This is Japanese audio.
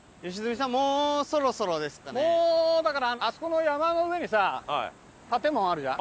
もうだからあそこの山の上にさ建物あるじゃん。